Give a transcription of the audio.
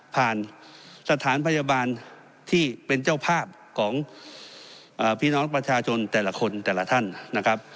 สถานพยาบาลที่เป็นเจ้าภาพของพี่น้องประชาชนแต่ละคนแต่ละท่านนะครับ